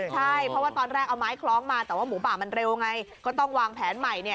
ใช่เพราะว่าตอนแรกเอาไม้คล้องมาแต่ว่าหมูป่ามันเร็วไงก็ต้องวางแผนใหม่